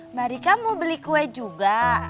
mbak rika mau beli kue juga